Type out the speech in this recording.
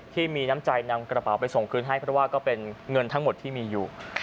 ที่มีน้ำใจนำกระเป๋าไปส่งคืนให้เพราะว่าก็เป็นเงินทั้งหมดที่มีอยู่